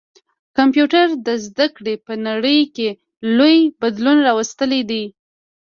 کمپيوټر د زده کړي په نړۍ کي لوی بدلون راوستلی دی.